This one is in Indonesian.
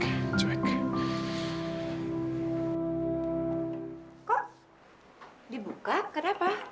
kok dibuka kenapa